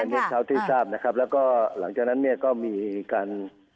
อันนี้เท่าที่ทราบนะครับแล้วก็หลังจากนั้นเนี่ยก็มีการ